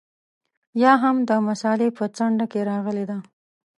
یا هم د مسألې په څنډه کې راغلې ده.